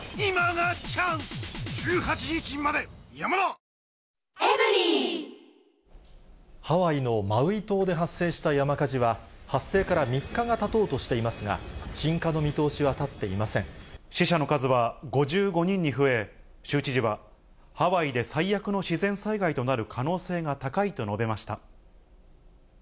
海で浮かんでいる間、陸のもハワイのマウイ島で発生した山火事は、発生から３日がたとうとしていますが、死者の数は５５人に増え、州知事は、ハワイで最悪の自然災害となる可能性が高いと述べました。